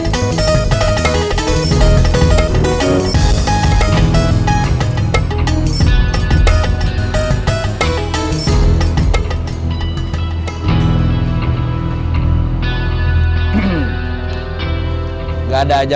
gak ada aja